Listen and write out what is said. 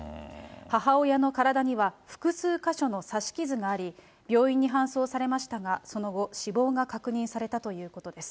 母親の体には複数箇所の刺し傷があり、病院に搬送されましたが、その後、死亡が確認されたということです。